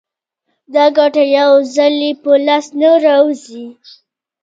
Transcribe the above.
دا ګټه یو ځلي په لاس نه ورځي